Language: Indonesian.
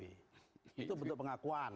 itu bentuk pengakuan